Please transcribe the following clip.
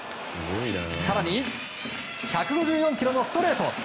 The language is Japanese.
更に１５４キロのストレート。